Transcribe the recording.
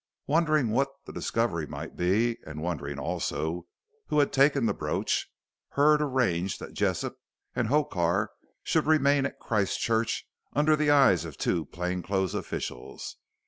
Wondering what the discovery might be, and wondering also who had taken the brooch, Hurd arranged that Jessop and Hokar should remain at Christchurch under the eyes of two plain clothes officials.